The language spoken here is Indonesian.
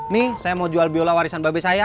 nih saya mau jual biola warisan babe saya